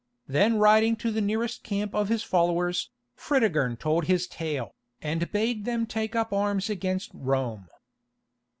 Then riding to the nearest camp of his followers, Fritigern told his tale, and bade them take up arms against Rome.